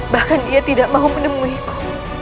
bahkan dia tidak mau menemui